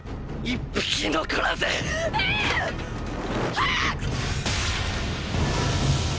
早く！！